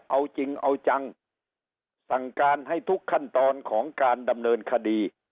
เอาจริงเอาจังสั่งการให้ทุกขั้นตอนของการดำเนินคดี